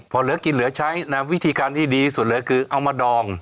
พอเหลือกินเหลือใช้นะวิธีการที่ดีสุดเลยคือเอามาดอง